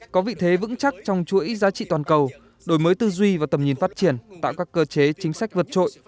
có vị thế vững chắc trong chuỗi giá trị toàn cầu đổi mới tư duy và tầm nhìn phát triển tạo các cơ chế chính sách vượt trội